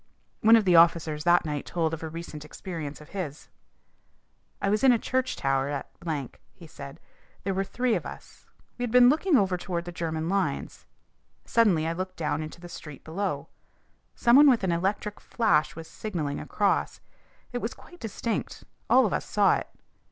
One of the officers that night told of a recent experience of his. "I was in a church tower at ," he said. "There were three of us. We had been looking over toward the German lines. Suddenly I looked down into the street below. Some one with an electric flash was signalling across. It was quite distinct. All of us saw it.